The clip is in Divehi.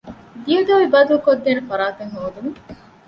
ދިޔަދޮވި ބަދަލުކޮށްދޭނެ ފަރާތެއް ހޯދުމަށް